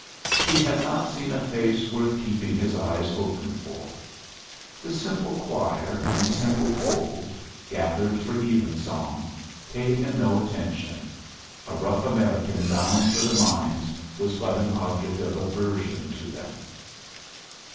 He had not seen a face worth keeping his eyes open for. The simple choir and simple fold, gathered for even song, paid him no attention a rough American bound for the mines was but an object of aversion to them.